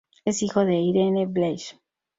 Es hijo de Irene Bleach.